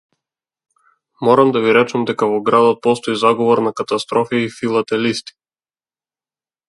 Морам да ви речам дека во градот постои заговор на картографи и филателисти.